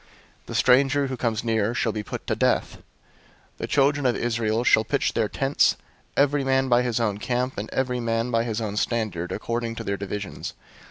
The stranger who comes near shall be put to death. 001:052 The children of Israel shall pitch their tents, every man by his own camp, and every man by his own standard, according to their divisions.